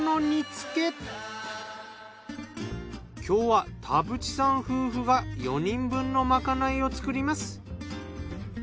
今日は田渕さん夫婦が４人分のまかないを作ります。